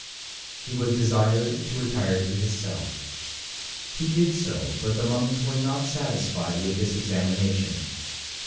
He was desired to retire to his cell. He did so, but the monks were not satisfied with this examination.